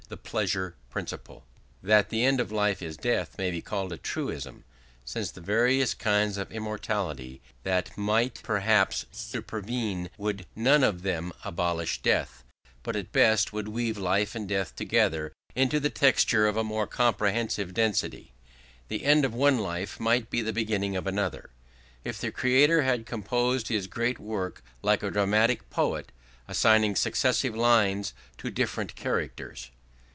IV A LONG WAY ROUND TO NIRVANA That the end of life is death may be called a truism, since the various kinds of immortality that might perhaps supervene would none of them abolish death, but at best would weave life and death together into the texture of a more comprehensive destiny. The end of one life might be the beginning of another, if the Creator had composed his great work like a dramatic poet, assigning successive lines to different characters.